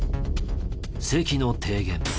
関の提言。